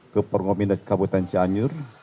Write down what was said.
ke porkominda kabupaten cianyur